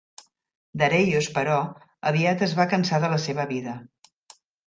Dareios, però, aviat es va cansar de la seva vida.